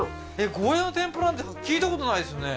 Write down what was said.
ゴーヤの天ぷらなんて聞いた事ないですね